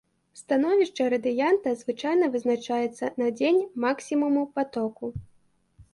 Становішча радыянта звычайна вызначаецца на дзень максімуму патоку.